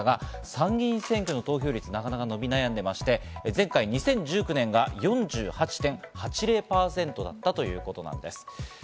参院選挙の投票率を見ていますと、なかなか伸び悩んでまして、前回、２０１９年が４８．８０％だったということなんです。